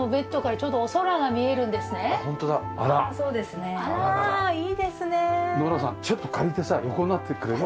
ちょっと借りてさ横になってくれる？